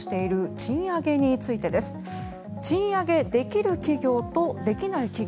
賃上げできる企業とできない企業。